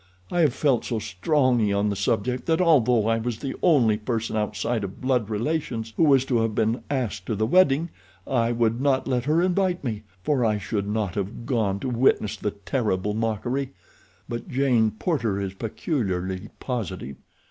I have felt so strongly on the subject that although I was the only person outside of blood relations who was to have been asked to the wedding I would not let her invite me, for I should not have gone to witness the terrible mockery. But Jane Porter is peculiarly positive.